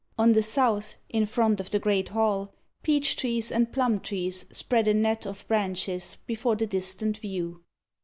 On the South, in front of the great hall, Peach trees and plum trees spread a net of branches Before the distant view.